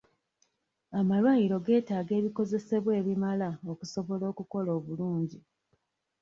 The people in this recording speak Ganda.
Amalwaliro getaaga ebikozesebwa ebimala okusobola okukola obulungi.